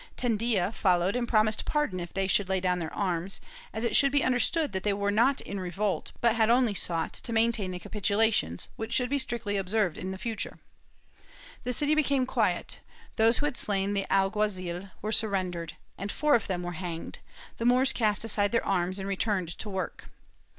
Tendilla followed and prom ised pardon if they should lay down their arms, as it should be imderstood that they were not in revolt, but had only sought to maintain the capitulations, which should be strictly observed in future. The city became quiet; those who had slain the alguazil were surrendered, and four of them were hanged; the Moors cast aside their arms and returned to work.